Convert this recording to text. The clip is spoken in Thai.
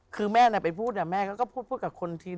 คือแม่ไปพูดแม่ก็พูดกับคนที่